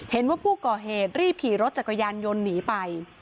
เห็นว่าผู้ก่อเหตุรีบขี่รถจักรยานยนต์หนีไป